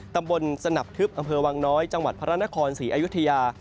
ตำบลสนับทึบอำเภอวังน้อยจังหวัดพระนครศรีอยุธยา